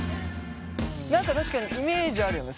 何か確かにイメージあるよね。